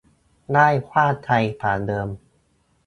ได้กว้างไกลกว่าเดิม